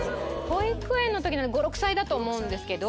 保育園の時なので５６歳だと思うんですけど。